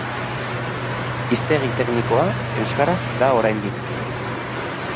Hiztegi teknikoa euskaraz da oraindik.